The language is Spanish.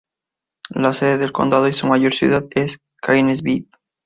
La sede del condado y su mayor ciudad es Gainesville.